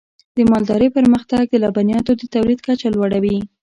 د مالدارۍ پرمختګ د لبنیاتو د تولید کچه لوړوي.